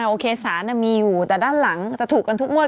โอเคสารมีอยู่แต่ด้านหลังจะถูกกันทุกงวด